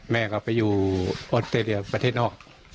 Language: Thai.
แม่ก็ไปอยู่ออสเตรเลียประเทศนอก